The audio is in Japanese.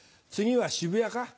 次は渋谷か？